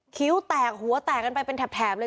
คิ้วแตกหัวแตกกันไปเป็นแถบเลย